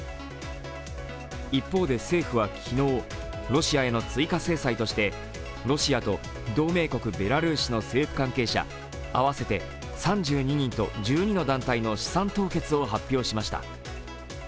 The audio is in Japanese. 一方で政府は昨日、ロシアへの追加制裁としてロシアと同盟国ベラルーシの政府関係者合わせて３２人と１２の団体の資産凍結を発表しました。